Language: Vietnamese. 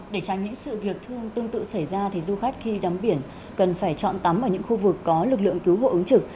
để tránh những sự việc thương tương tự xảy ra thì du khách khi đóng biển cần phải chọn tắm ở những khu vực có lực lượng cứu hộ ứng trực